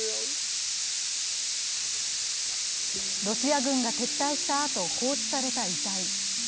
ロシア軍が撤退したあと放置された遺体。